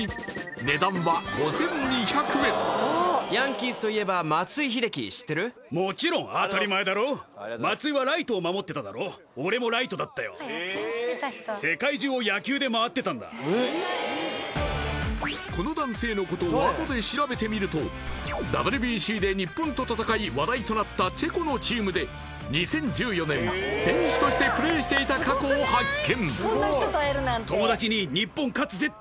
値段はこの男性のことをＷＢＣで日本と戦い話題となったチェコのチームで２０１４年選手としてプレーしていた過去を発見！